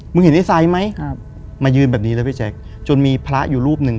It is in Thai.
มึงเห็นไอชายไหมมายืนแบบนี้เราพี่แจ็คจนมีพระอยู่รูปนึง